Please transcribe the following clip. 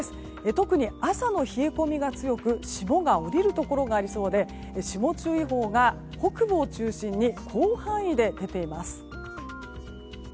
特に朝の冷え込みが強く霜が降りるところがありそうで霜注意報が北部を中心に広範囲で出ています。